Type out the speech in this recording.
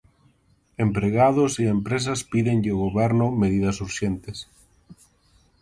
Empregados e empresas pídenlle ao Goberno medidas urxentes.